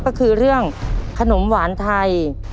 ก็คือเรื่องขนมหวานไทย